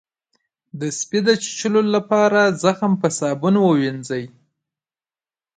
د سپي د چیچلو لپاره زخم په صابون ووینځئ